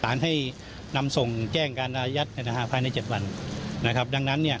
หลังให้นำส่งแจ้งการระยัดภายในเจ็ดวันนะครับดังนั้นเนี่ย